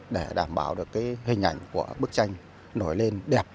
để đảm bảo được cái hình ảnh của bức tranh nổi lên đẹp